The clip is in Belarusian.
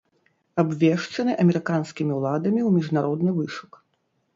Абвешчаны амерыканскімі ўладамі ў міжнародны вышук.